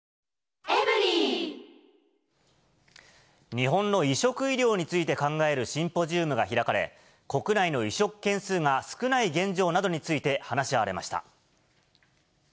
日本の移植医療について考えるシンポジウムが開かれ、国内の移植件数が少ない現状などについて、話し合われました。